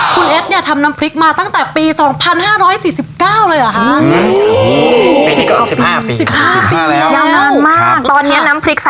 คุณเอสเนี่ยทำน้ำพริกมาตั้งแต่ปี๒๕๔๙เลยเหรอคะ